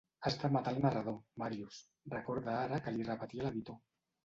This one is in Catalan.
Has de matar el narrador, Màrius —recorda ara que li repetia l'editor—.